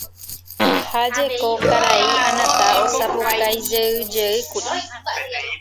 Ha jeko karai Anata osapukaijeyjeýkuri